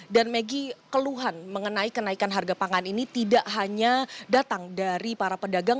dan maggie keluhan mengenai kenaikan harga pangan ini tidak hanya datang dari para pedagang